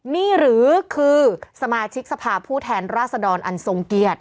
นี่หรือคือสมาชิกสภาพผู้แทนราษดรอันทรงเกียรติ